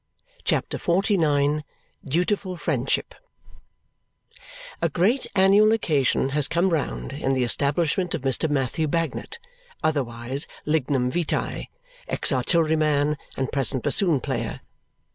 CHAPTER XLIX Dutiful Friendship A great annual occasion has come round in the establishment of Mr. Matthew Bagnet, otherwise Lignum Vitae, ex artilleryman and present bassoon player.